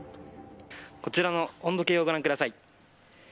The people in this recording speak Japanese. こちらの温度計をご覧ください。